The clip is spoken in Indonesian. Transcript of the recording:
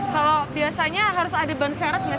kalau biasanya harus ada perubahan yang terjadi di situ